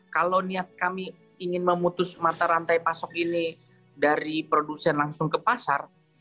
kalau niat kami ingin memutus mata rantai pasok ini dari produsen langsung ke pasar